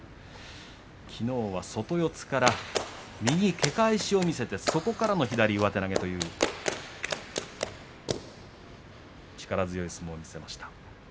きのうは外四つから右のけ返しを見せてそこからの左の上手投げ力強い相撲を見せました。